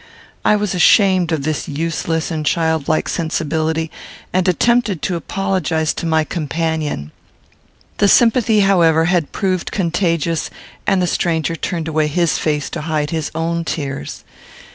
I was ashamed of this useless and childlike sensibility; and attempted to apologize to my companion. The sympathy, however, had proved contagious, and the stranger turned away his face to hide his own tears.